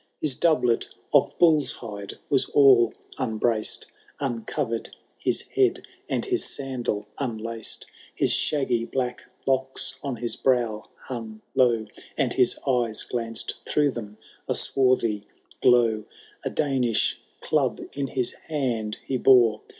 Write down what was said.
123 His doublet of bull's hide was all unbraced, Uncovered his head, and his sandal unlaced : His shaggy black locks on his brow hung low, And his eyes glanced through them a swarthy glow ; A Danish club in his hand he boro.